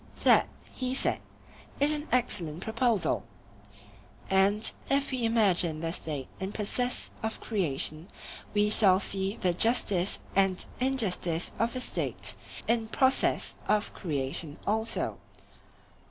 That, he said, is an excellent proposal. And if we imagine the State in process of creation, we shall see the justice and injustice of the State in process of creation also.